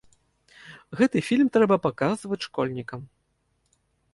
Гэты фільм трэба паказваць школьнікам.